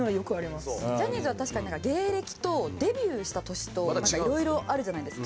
ジャニーズは確かに芸歴とデビューした年とまた色々あるじゃないですか。